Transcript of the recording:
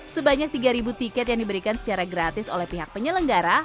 sebanyak tiga tiket yang diberikan secara gratis oleh pihak penyelenggara